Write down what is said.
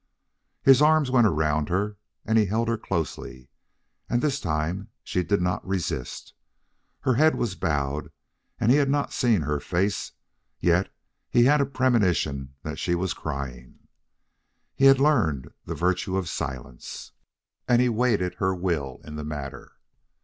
His arms went around her and held her closely, and this time she did not resist. Her head was bowed, and he had not see her face, yet he had a premonition that she was crying. He had learned the virtue of silence, and he waited her will in the matter.